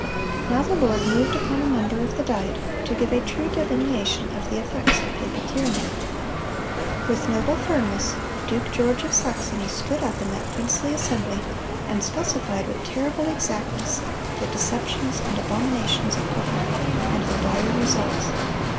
Now the Lord moved upon a member of the Diet to give a true delineation of the effects of papal tyranny. With noble firmness, Duke George of Saxony stood up in that princely assembly, and specified with terrible exactness the deceptions and abominations of popery, and their dire results.